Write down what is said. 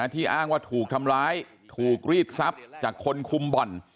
ที่อ้างว่าถูกทำร้ายถูกรีดทรัพย์จากคนคุมบ่อน